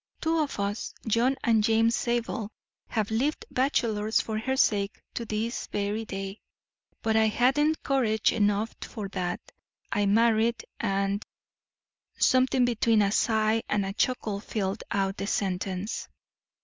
Two of us, John and James Zabel, have lived bachelors for her sake to this very day; but I hadn't courage enough for that; I married and" something between a sigh and a chuckle filled out the sentence.